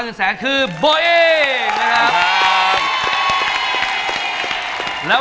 กรุงเทพหมดเลยครับ